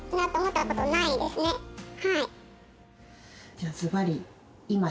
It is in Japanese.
じゃあずばり。